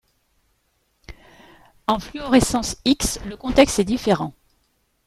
En fluorescence X, le contexte est différent.